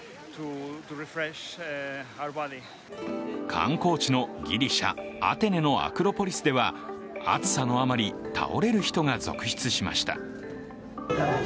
観光地のギリシャ・アテネのアクロポリスでは暑さのあまり倒れる人が続出しました。